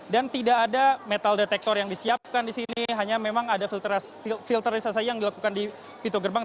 dan tidak ada metal detektor yang disiapkan di sini hanya memang ada filter yang dilakukan di pintu gerbang